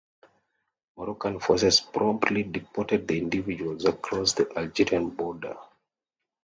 Moroccan forces promptly deported the individuals across the Algerian border.